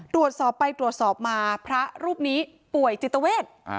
ตรวจสอบไปตรวจสอบมาพระรูปนี้ป่วยจิตเวท